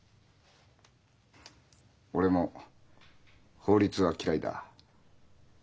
俺も法律は嫌いだ。